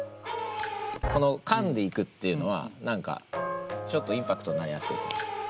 この「カンッ」でいくっていうのは何かちょっとインパクトになりやすいですね。